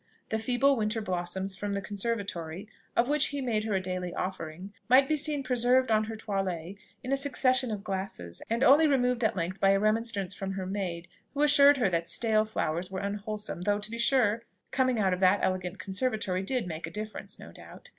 The feeble winter blossoms from the conservatory, of which he made her a daily offering, might be seen preserved on her toilet in a succession of glasses, and only removed at length by a remonstrance from her maid, who assured her that "stale flowers were unwholesome; though, to be sure, coming out of that elegant conservatory did make a difference, no doubt."